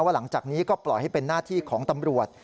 หลังจากนี้ก็ปล่อยให้เป็นหน้าที่ของตำรวจ